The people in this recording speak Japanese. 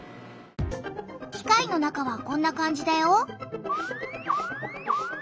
機械の中はこんな感じだよ。